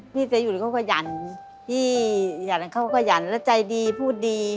พี่เจ๋อยู่เขาก็หยั่นพี่หยั่นเขาก็หยั่นแล้วใจดีพูดดี